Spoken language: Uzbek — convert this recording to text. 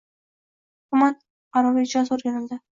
Hukumat qarori ijrosi o‘rganildi